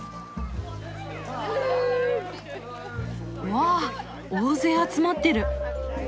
わあ大勢集まってる！